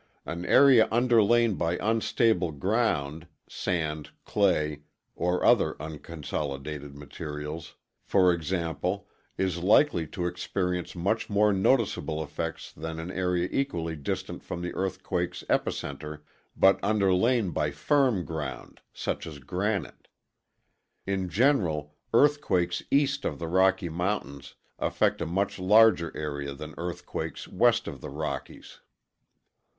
An area underlain by unstable ground (sand, clay, or other unconsolidated materials), for example, is likely to experience much more noticeable effects than an area equally distant from an earthquakeŌĆÖs epicenter but underlain by firm ground such as granite. In general, earthquakes east of the Rocky Mountains affect a much larger area than earthquakes west of the Rockies.